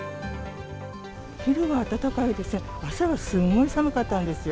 昼は暖かいですね、朝はすんごい寒かったんですよ。